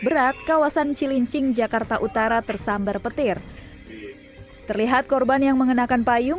berat kawasan cilincing jakarta utara tersambar petir terlihat korban yang mengenakan payung